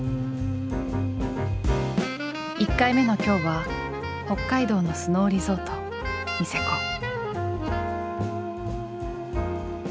１回目の今日は北海道のスノーリゾートニセコ。